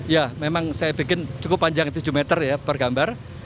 ya memang saya bikin cukup panjang tujuh meter ya per gambar